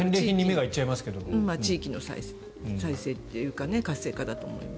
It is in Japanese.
地域の再生というか活性化だと思います。